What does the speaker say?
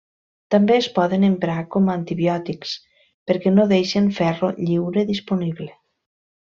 També es poden emprar com a antibiòtics, perquè no deixen ferro lliure disponible.